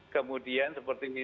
kemudian seperti ini